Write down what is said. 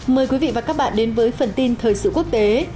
mời quý vị và các bạn đến với phần tin thời sự quốc tế